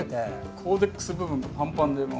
コーデックス部分がパンパンでもう。